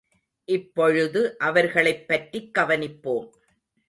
இப்பொழுது அவர்களைப்பற்றிக் கவனிப்போம்.